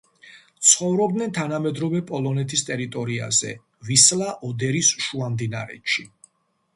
ცხოვრობდნენ თანამედროვე პოლონეთის ტერიტორიაზე ვისლა-ოდერის შუამდინარეთში.